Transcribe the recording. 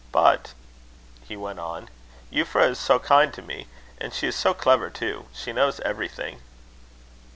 "But," he went on, "Euphra is so kind to me! And she is so clever too! She knows everything."